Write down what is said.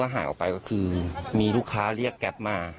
เหลือ๕